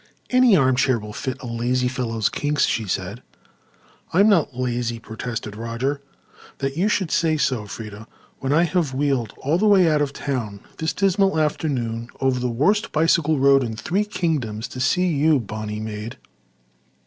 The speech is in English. "Any armchair will fit a lazy fellow's kinks," she said. "I'm not lazy," protested Roger. "That you should say so, Freda, when I have wheeled all the way out of town this dismal afternoon over the worst bicycle road in three kingdoms to see you, bonnie maid!"